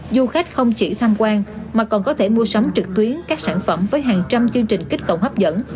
du khách không chỉ tham quan mà còn có thể mua sắm trực tuyến các sản phẩm với hàng trăm chương trình kích cầu hấp dẫn